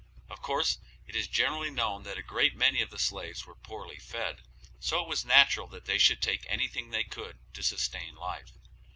Of course it is generally known that a great many of the slaves were poorly fed, so it was natural that they should take anything they could to sustain life.